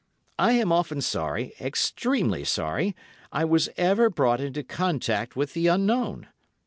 I am often sorry, extremely sorry, I was ever brought into contact with the Unknown.